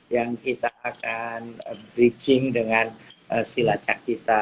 yang kita akan bridging dengan silacak kita